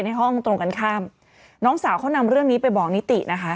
ห้องตรงกันข้ามน้องสาวเขานำเรื่องนี้ไปบอกนิตินะคะ